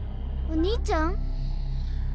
お兄ちゃん。